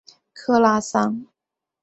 克拉桑。